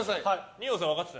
二葉さん、分かってた。